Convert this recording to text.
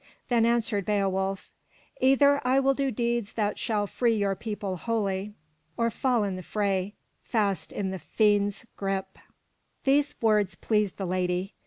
Then answered Beowulf: "Either I will do deeds that shall free your people wholly or fall in the fray, fast in the fiend's grip." These words pleased the lady.